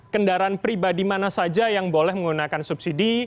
kendaraan pribadi mana saja yang boleh menggunakan subsidi